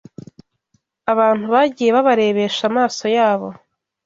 Abantu bagiye babarebesha amaso yabo